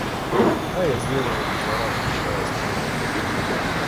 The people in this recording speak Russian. Да, я сделаю это, злорадно потирая свои руки!